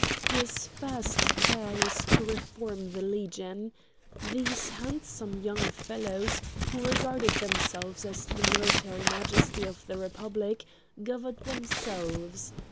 His first care was to reform the Legion. These handsome young fellows, who regarded themselves as the military majesty of the Republic, governed themselves.